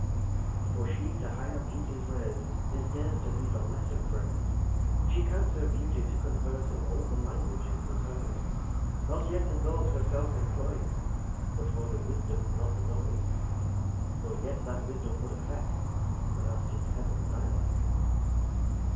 lxxxix For She, to higher Beauties rais'd, Disdains to be for lesser prais'd. She counts her Beauty to converse In all the Languages as hers; Not yet in those her self imployes But for the Wisdome, not the Noyse; Nor yet that Wisdome would affect, But as 'tis Heavens Dialect.